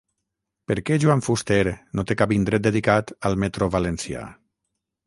Per què Joan Fuster no té cap indret dedicat al metro valencià?